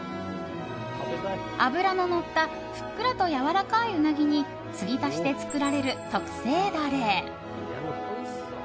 脂ののったふっくらとやわらかいウナギに継ぎ足しで作られる特製ダレ。